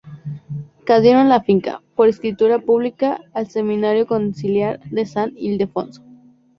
Cedieron la finca, por escritura pública, al Seminario Conciliar de San Ildefonso.